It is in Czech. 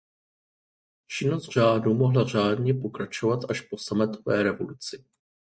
Činnost řádu mohla řádně pokračovat až po sametové revoluci.